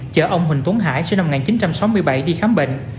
chở ông huỳnh tuấn hải sinh năm một nghìn chín trăm sáu mươi bảy đi khám bệnh